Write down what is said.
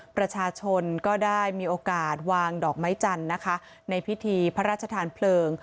ประชาชนก็ได้มีโอกาสวางดอกไม้จันทร์นะคะในพิธีพระราชทานเพลิง